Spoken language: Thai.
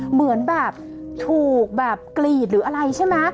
เหมือนแบบถูกแบบกรีดหรืออะไรใช่ไหม